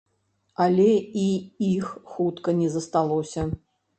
Але і іх хутка не засталося.